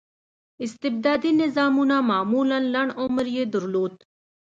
استبدادي نظامونه معمولا لنډ عمر یې درلود.